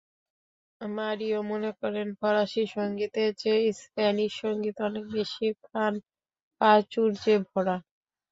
মারিয়ঁ মনে করেন, ফরাসি সংগীতের চেয়ে স্প্যানিশ সংগীত অনেক বেশি প্রাণ-প্রাচুর্য্যে ভরা।